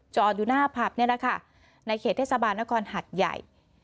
จอดอยู่หน้าผับนี่แหละค่ะในเขตเทศบาลนครหัดใหญ่